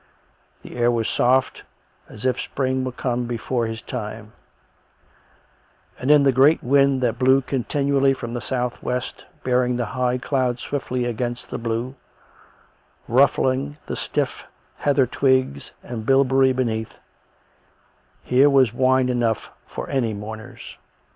The air was soft, as if spring were come before his time; and in the great wind that blew continually from the south west, bearing the high clouds swiftly against the blue, rufiling the stiff heather twigs and bilberry beneath — here was wine enough for any mourners.